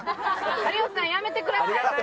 有吉さんやめてください。